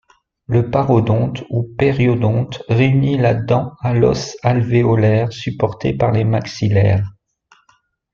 Le parodonte, ou périodonte, réunit la dent à l'os alvéolaire supporté par les maxillaires.